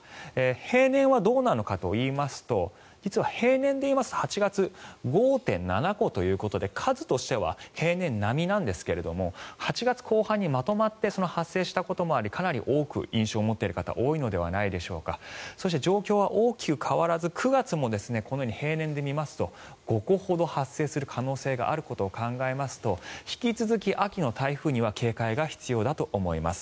平年はどうなのかといいますと実は平年で言いますと８月、５．７個ということで数としては平年並みなんですが８月後半にまとまって発生したこともありそして状況は大きく変わらず９月も平年で見ますと５戸ほど発生する可能性があることを考えますと引き続き、秋の台風には警戒が必要だと思います。